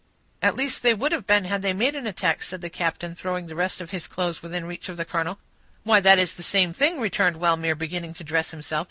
"At least they would have been, had they made an attack," said the captain, throwing the rest of his clothes within reach of the colonel. "Why, that is the same thing," returned Wellmere, beginning to dress himself.